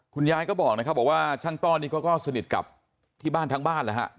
คุณยายก็บอกนะครับว่าช่างต้อนี่ก็สนิทกับที่บ้านทั้งบ้านนะครับ